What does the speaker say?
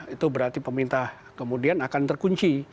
itu berarti pemerintah kemudian akan terkunci